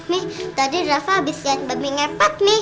nih tadi rafa abis liat babi ngepet nih